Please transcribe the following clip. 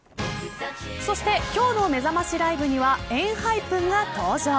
そして今日のめざましライブにはＥＮＨＹＰＥＮが登場。